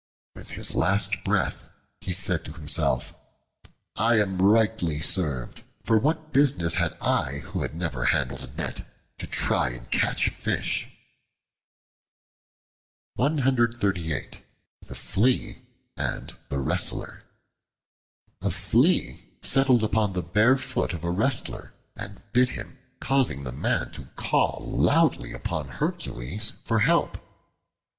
With his last breath he said to himself, "I am rightly served; for what business had I who had never handled a net to try and catch fish?" The Flea and the Wrestler A FLEA settled upon the bare foot of a Wrestler and bit him, causing the man to call loudly upon Hercules for help.